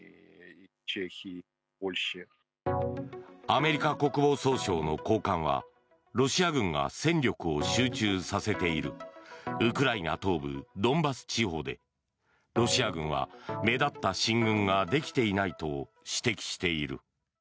アメリカ国防総省の高官はロシア軍が戦力を集中させているウクライナ東部ドンバス地方でロシア軍は目立った進軍ができていないと指摘している。